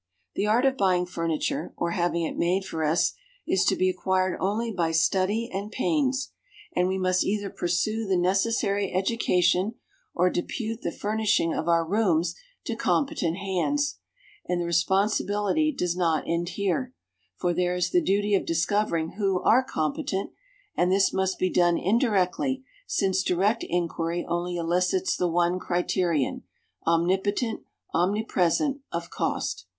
The art of buying furniture, or having it made for us, is to be acquired only by study and pains, and we must either pursue the necessary education, or depute the furnishing of our rooms to competent hands: and the responsibility does not end here, for there is the duty of discovering who are competent, and this must be done indirectly since direct inquiry only elicits the one criterion, omnipotent, omnipresent, of cost.